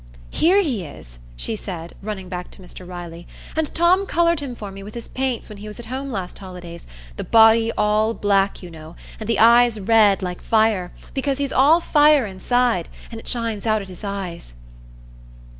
"Here he is," she said, running back to Mr Riley, "and Tom coloured him for me with his paints when he was at home last holidays,—the body all black, you know, and the eyes red, like fire, because he's all fire inside, and it shines out at his eyes."